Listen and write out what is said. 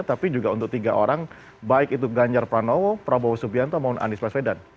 tapi juga untuk tiga orang baik itu ganjar pranowo prabowo subianto maupun anies baswedan